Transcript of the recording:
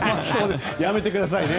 やめてくださいね。